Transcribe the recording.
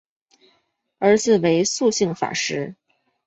儿子为素性法师。